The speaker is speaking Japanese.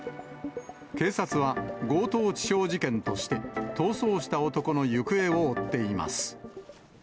警察は、強盗致傷事件として、逃走した男の行方を追っています。